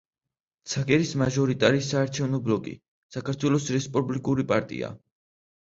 ცაგერის მაჟორიტარი საარჩევნო ბლოკი: საქართველოს რესპუბლიკური პარტია.